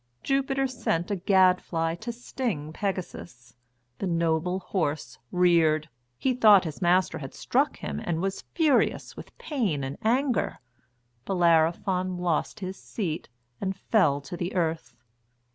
Jupiter sent a gadfly to sting Pegasus. The noble horse reared. He thought his master had struck him and was furious with pain and anger. Bellerophon lost his seat and fell to the earth.